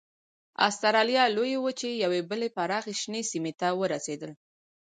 اسټرالیا لویې وچې یوې بلې پراخې شنې سیمې ته ورسېدل.